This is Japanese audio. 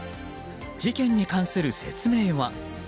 事件に関する説明は？